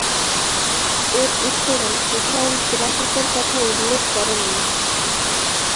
এর উত্তরে হুসাইন খিলাফতের কথা উল্লেখ করেননি।